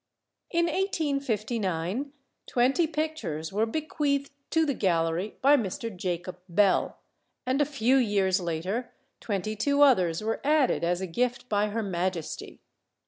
In 1859, twenty pictures were bequeathed to the gallery by Mr. Jacob Bell, and a few years later twenty two others were added as a gift by Her Majesty.